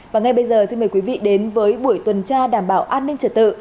và ngay bây giờ xin mời quý vị đến với buổi tuần tra đảm bảo an ninh trật tự